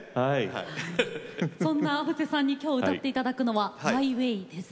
そんな布施さんに今日歌って頂くのは「マイ・ウェイ」です。